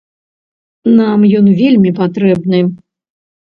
Нам ён вельмі патрэбны.